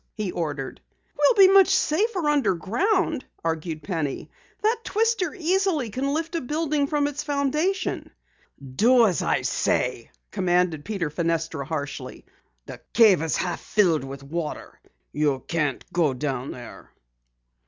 he ordered. "We'll be much safer underground," argued Penny. "That twister easily can lift a building from its foundation." "Do as I say!" commanded Peter Fenestra harshly. "The cave is half filled with water. You can't go down there."